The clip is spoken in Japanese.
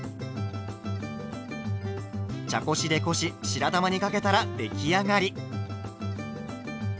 茶こしでこし白玉にかけたら出来上がり。